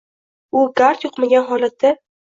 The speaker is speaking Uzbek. U gard yuqmagan holatda.